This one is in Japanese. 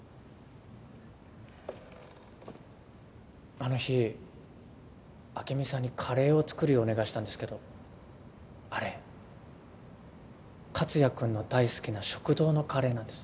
あの日朱美さんにカレーを作るようお願いしたんですけどあれ克哉君の大好きな食堂のカレーなんです。